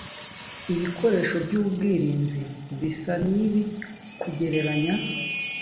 ibikoresho by ubwirinzi bisa n ibi kugereranya